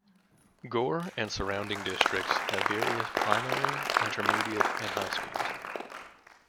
Gore and surrounding districts have various primary, intermediate and high schools.